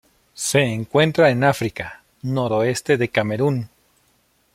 Se encuentran en África: noroeste de Camerún.